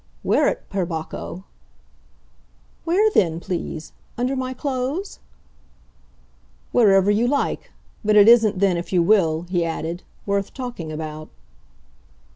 "Wear it, per Bacco!" "Where then, please? Under my clothes?" "Wherever you like. But it isn't then, if you will," he added, "worth talking about."